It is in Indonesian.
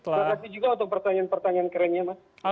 terima kasih juga untuk pertanyaan pertanyaan kerennya mas